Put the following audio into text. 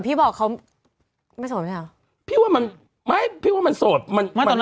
พี่บอกเขาไม่โสดไหมคะพี่ว่ามันไม่พี่ว่ามันโสดมันมัน